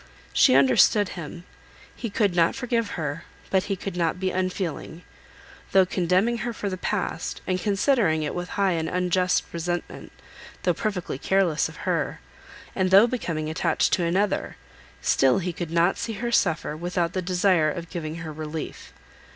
She understood him. He could not forgive her, but he could not be unfeeling. Though condemning her for the past, and considering it with high and unjust resentment, though perfectly careless of her, and though becoming attached to another, still he could not see her suffer, without the desire of giving her relief.